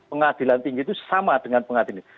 pengadilan tinggi itu sama dengan pengadilan